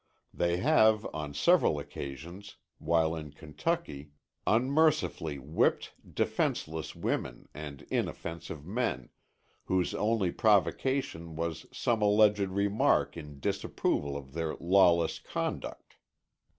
They have, on several occasions, while in Kentucky, unmercifully whipped defenseless women and inoffensive men, whose only provocation was some alleged remark in disapproval of their lawless conduct.